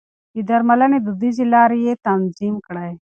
د درملنې دوديزې لارې يې تنظيم کړې.